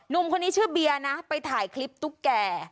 หนุ่มคนนี้ชื่อเบียร์นะไปถ่ายคลิปตุ๊กแก่